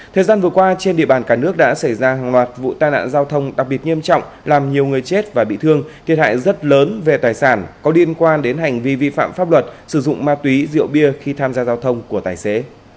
thời gian vừa qua trên địa bàn cả nước đã xảy ra hàng loạt vụ tai nạn giao thông đặc biệt nghiêm trọng làm nhiều người chết và bị thương thiệt hại rất lớn về tài sản có liên quan đến hành vi vi phạm pháp luật sử dụng ma túy rượu bia khi tham gia giao thông của tài xế